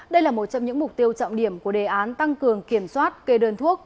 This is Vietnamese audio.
đây là một trong những mục tiêu trọng điểm của đề án tăng cường kiểm soát kê đơn thuốc